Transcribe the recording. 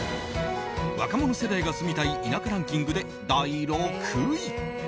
若者世代が住みたい田舎ランキングで第６位。